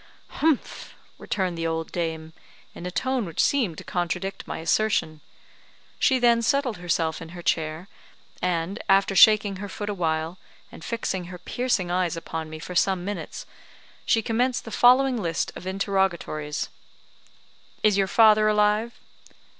"Humph!" returned the old dame, in a tone which seemed to contradict my assertion. She then settled herself in her chair, and, after shaking her foot awhile, and fixing her piercing eyes upon me for some minutes, she commenced the following list of interrogatories: "Is your father alive?"